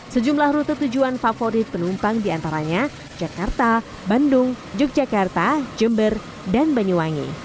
sejumlah rute tujuan favorit penumpang diantaranya jakarta bandung yogyakarta jember dan banyuwangi